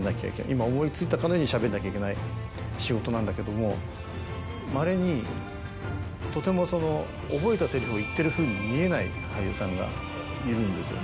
今思い付いたかのようにしゃべんなきゃいけない仕事なんだけどもまれにとても覚えたセリフを言ってるふうに見えない俳優さんがいるんですよね。